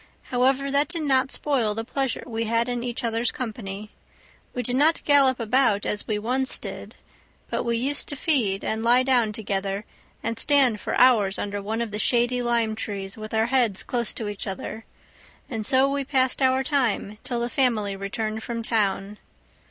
However, that did not spoil the pleasure we had in each other's company; we did not gallop about as we once did, but we used to feed, and lie down together, and stand for hours under one of the shady lime trees with our heads close to each other; and so we passed our time till the family returned from town.